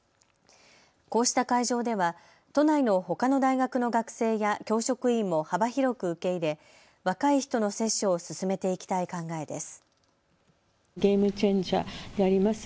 こうした会場では都内のほかの大学の学生や教職員も幅広く受け入れ若い人の接種を進めていきたい考えです。